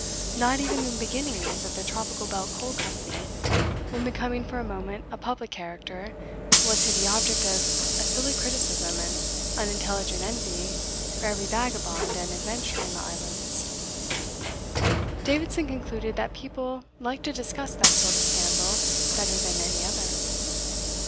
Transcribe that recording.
Not even in the beginnings of the Tropical Belt Coal Company when becoming for a moment a public character was he the object of a silly criticism and unintelligent envy for every vagabond and adventurer in the islands. Davidson concluded that people liked to discuss that sort of scandal better than any other.